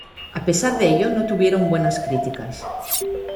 A pesar de ello, no tuvieron buenas críticas.